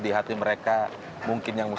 hormati marilah kita